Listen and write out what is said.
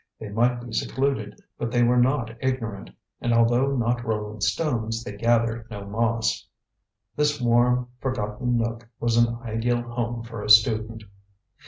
They might be secluded, but they were not ignorant, and although not rolling stones, they gathered no moss. This warm, forgotten nook was an ideal home for a student.